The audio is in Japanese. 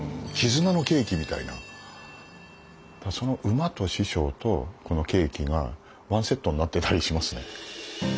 その馬と師匠とこのケーキがワンセットになってたりしますね。